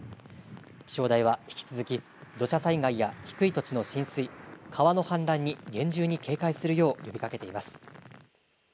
気象台は引き続き土砂災害や低い土地の浸水、川の氾濫に厳重に警戒するよう呼びかけています。